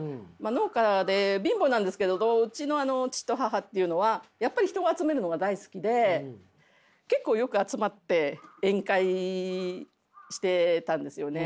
農家で貧乏なんですけどうちの父と母っていうのはやっぱり人を集めるのが大好きで結構よく集まって宴会してたんですよね。